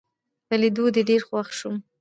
په لیدو دي ډېر خوښ شوم